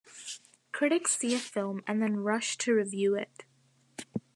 Critics see a film and then rush to review it.